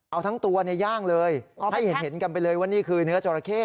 เอาทั้งตัวในย่างเลยให้เห็นกันไปเลยว่านี่คือเนื้อจราเข้